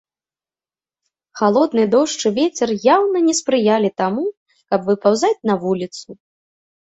Халодны дождж і вецер яўна не спрыялі таму, каб выпаўзаць на вуліцу.